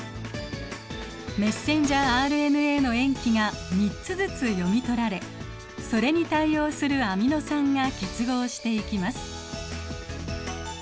メッセンジャーＲＮＡの塩基が３つずつ読み取られそれに対応するアミノ酸が結合していきます。